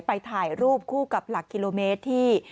ถ่ายรูปคู่กับหลักกิโลเมตรที่